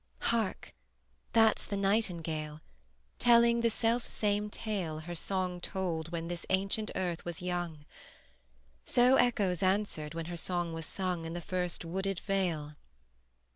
Hark! that's the nightingale, Telling the self same tale Her song told when this ancient earth was young: So echoes answered when her song was sung In the first wooded vale.